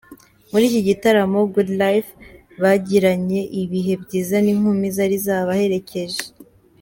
Muri iki gitaramo ,Good Lyfe bagiranye ibihe byiza n’inkumi zari zabaherekeje.